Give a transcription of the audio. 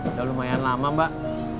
udah lumayan lama mbak